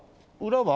裏は？